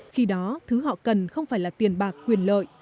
khi đó thứ họ cần không phải là tiền bạc quyền lợi